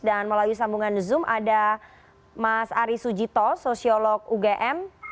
dan melalui sambungan zoom ada mas ari sujito sosiolog ugm